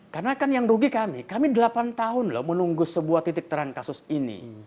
karena kan yang rugi kami kami delapan tahun loh menunggu sebuah titik terang kasus ini